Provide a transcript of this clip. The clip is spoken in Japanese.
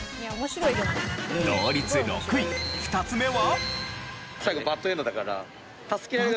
同率６位２つ目は。